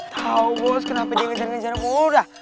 tau bos kenapa dia ngejar ngejar mulu dah